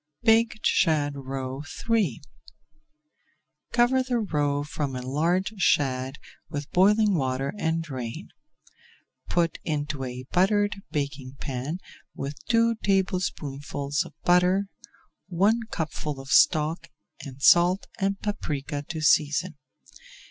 BAKED SHAD ROE III Cover the roe from a large shad with boiling water and drain. Put into a buttered baking pan with two tablespoonfuls of butter, one cupful of stock and salt and paprika to season.